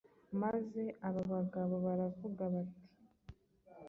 Maze aba bagabo baravuga bati,